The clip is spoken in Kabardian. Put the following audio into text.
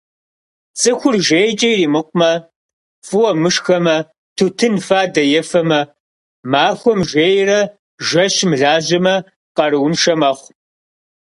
Цӏыхур жейкӀэ иримыкъумэ, фӏыуэ мышхэмэ, тутын, фадэ ефэмэ, махуэм жейрэ жэщым лажьэмэ къарууншэ мэхъу.